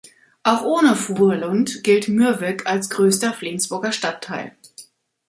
Auch ohne Fruerlund gilt Mürwik als größter Flensburger Stadtteil.